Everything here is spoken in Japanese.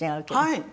はい。